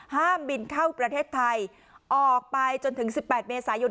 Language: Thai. ห้ามบินเข้าประเทศไทยออกไปจนถึง๑๘เมษายน